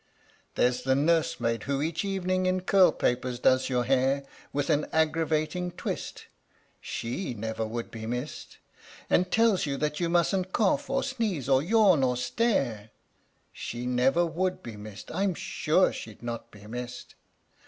There's the nursemaid who each evening in curlpapers does your hair With an aggravating twist she never would be missed And tells you that you mustn't cough or sneeze or yawn or stare She never would be missed I'm sure she'd not be missed.